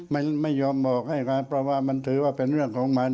มันไม่ยอมบอกให้กันเพราะว่ามันถือว่าเป็นเรื่องของมัน